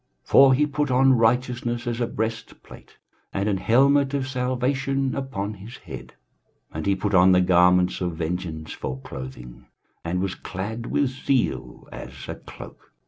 23:059:017 For he put on righteousness as a breastplate, and an helmet of salvation upon his head; and he put on the garments of vengeance for clothing, and was clad with zeal as a cloak.